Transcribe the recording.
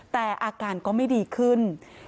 แต่อาการก็ไม่ดีขึ้น